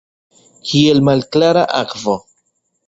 Kiel malklara akvo.